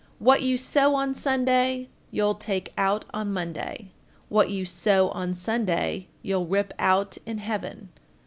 What you sew on Sunday, you'll take out on Monday. What you sew on Sunday, you'll rip out in heaven.